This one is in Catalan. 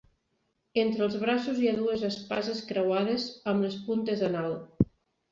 Entre els braços hi ha dues espases creuades, amb les puntes en alt.